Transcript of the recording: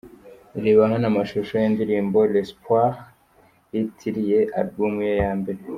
Reba hano amashusho y'indirimbo'L'espoir' yitiriye album ye ya mbere.